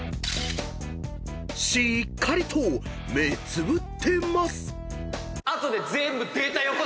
［しっかりと目つぶってます］